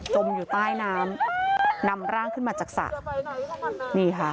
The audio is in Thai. จมอยู่ใต้น้ำนำร่างขึ้นมาจากศะจะไปไหนข้างหมดนี่ค่ะ